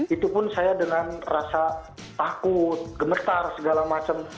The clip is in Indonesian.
itu pun saya dengan rasa takut gemetar segala macam